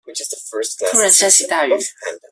突然下起大雨